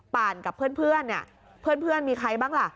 ป่านกับเพื่อนเนี่ยเพื่อนมีใครบ้างล่ะ